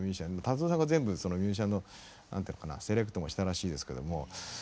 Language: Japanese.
達郎さんが全部そのミュージシャンの何ていうのかなセレクトもしたらしいですけども。